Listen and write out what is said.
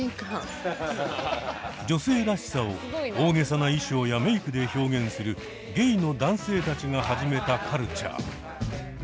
女性らしさを大げさな衣装やメイクで表現するゲイの男性たちが始めたカルチャー。